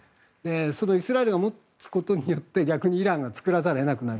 そのイスラエルが持つことによって逆にイランが作らざるを得なくなる。